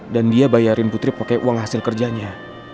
dan dia bayarin putri pakai uang hasil kerjanya